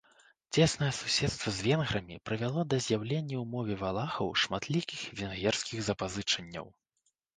Цеснае суседства з венграмі прывяло да з'яўлення ў мове валахаў шматлікіх венгерскіх запазычанняў.